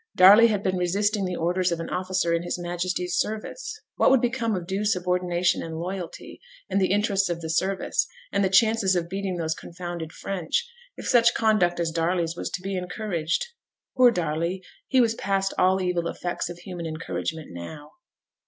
Darley had been resisting the orders of an officer in his Majesty's service. What would become of due subordination and loyalty, and the interests of the service, and the chances of beating those confounded French, if such conduct as Darley's was to be encouraged? (Poor Darley! he was past all evil effects of human encouragement now!)